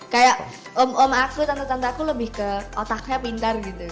kayak om aku tante tante aku lebih ke otaknya pintar gitu